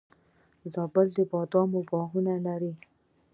زابل د بادامو باغونه لري